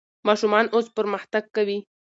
ماشومان اوس پرمختګ کوي.